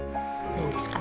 何ですか？